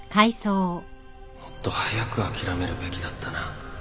もっと早く諦めるべきだったな